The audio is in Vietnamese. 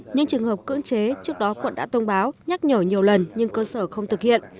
những trường hợp cưỡng chế trước đó quận đã thông báo nhắc nhở nhiều lần nhưng cơ sở không thực hiện